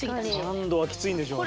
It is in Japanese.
３度はきついんでしょうね。